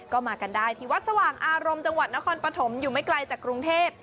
ก็มากันได้ที่วัดสว่างอารมณ์จังหวัดนครปฐมอยู่ไม่ไกลจากกรุงเทพ